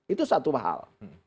itu satu hal